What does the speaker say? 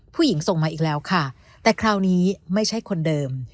ผู้หญิงส่งมาอีกแล้วค่ะแต่คราวนี้ไม่ใช่คนเดิม